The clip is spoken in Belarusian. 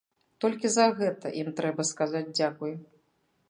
Толькі за гэта ім трэба сказаць дзякуй.